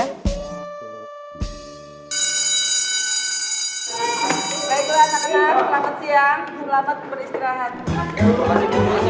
baiklah anak anak selamat siang selamat beristirahat